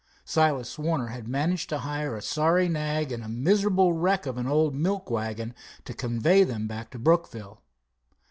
Silas Warner had managed to hire a sorry nag and a miserable wreck of an old milk wagon to convey them back to Brookville.